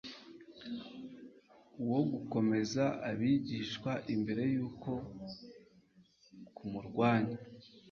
wo gukomeza abigishwa imbere y'uko kumurwanya.